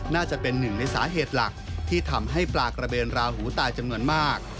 น่าจะเป็นหนึ่งในสาเหตุหลักที่ทำให้ปลากระเบนราหูตายจำนวนมาก